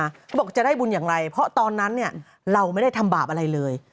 เขาบอกจะได้บุญอย่างไรเพราะตอนนั้นเนี่ยเราไม่ได้ทำบาปอะไรเลย